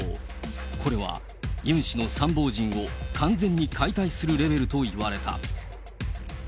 これは、ユン氏の参謀陣を完全に解体するレベルといわれた。